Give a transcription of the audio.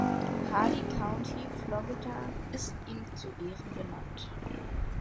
Hardee County, Florida, ist ihm zu Ehren benannt.